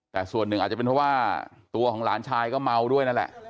แต่ส่วนหนึ่งอาจจะเป็นเพราะว่าตัวของหลานชายก็เมาด้วยนั่นแหละ